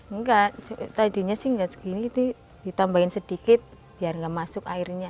enggak tadinya sih nggak segini itu ditambahin sedikit biar nggak masuk airnya